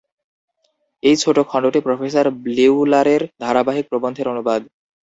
এই ছোট খণ্ডটি প্রফেসর ব্লিউলারের ধারাবাহিক প্রবন্ধের অনুবাদ।